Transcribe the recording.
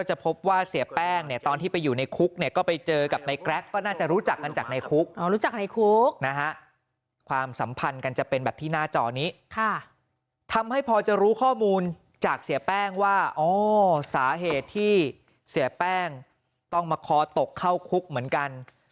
จากเสียแป้งว่าอ๋อสาเหตุที่เสียแป้งต้องมาคอตกเข้าคุกเหมือนกัน